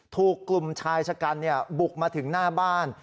ถูกกลุ่มชายชะกันบุกมาถึงหน้าบ้าน